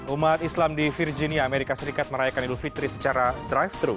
umat islam di virginia amerika serikat merayakan idul fitri secara drive thru